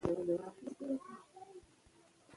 افغانستان د ننګرهار د ترویج لپاره پروګرامونه لري.